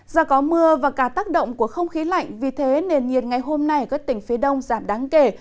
do có mưa và cả tác động của không khí lạnh vì thế nền nhiệt ngày hôm nay ở các tỉnh phía đông giảm đáng kể